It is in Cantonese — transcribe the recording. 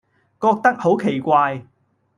覺得好奇怪